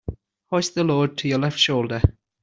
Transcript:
Hoist the load to your left shoulder.